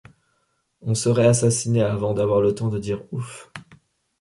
On serait assassiné avant d’avoir le temps de dire ouf!